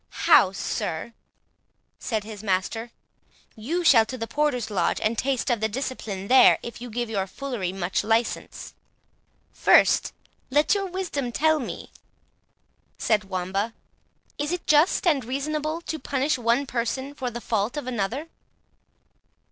"'How, sir?" said his master; "you shall to the porter's lodge, and taste of the discipline there, if you give your foolery such license." "First let your wisdom tell me," said Wamba, "is it just and reasonable to punish one person for the fault of another?"